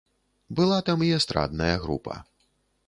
Была там і эстрадная група.